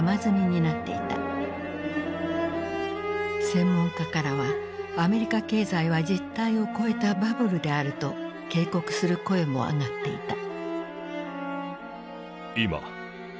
専門家からはアメリカ経済は実体を超えたバブルであると警告する声も上がっていた。